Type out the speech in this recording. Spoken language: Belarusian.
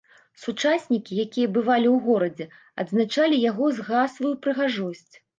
Сучаснікі, якія бывалі ў горадзе, адзначалі яго згаслую прыгажосць.